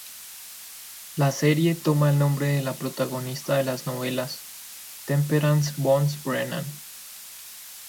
La serie toma el nombre de la protagonista de las novelas, Temperance "Bones" Brennan.